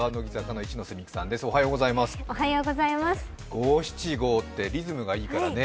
五七五ってリズムがいいからね。